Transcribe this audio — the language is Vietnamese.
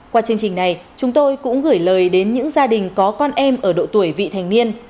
qua chương trình này chúng tôi cũng gửi lời đến những gia đình có con em ở độ tuổi vị thành niên